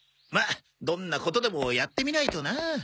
まあどんなことでもやってみないとな。